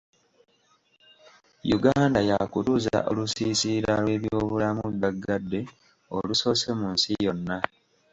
Uganda yaakutuuza olusiisira lw’ebyobulamu gaggadde olusoose mu nsi yonna.